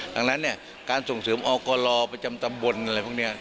ดังนั้นเนี่ยการส่งเสริมอกลประจำตำบลอะไรพวกนี้